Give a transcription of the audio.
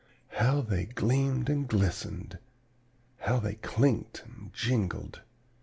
How they gleamed and glistened! How they clinked and jingled!